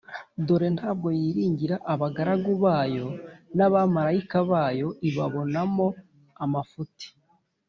dore ntabwo yiringira abagaragu bayo, n’abamarayika bayo ibabonamo amafuti,